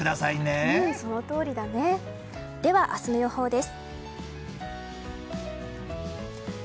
では明日の予報です。